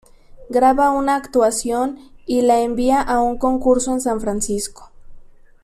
Graba una actuación y la envía a un concurso en San Francisco.